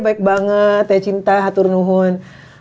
baik banget teh cinta haturnuhun